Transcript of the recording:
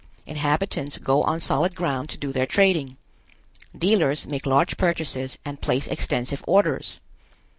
Inhabitants go on solid ground to do their trading. Dealers make large purchases and place extensive orders.